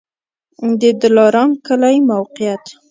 د دلارام کلی موقعیت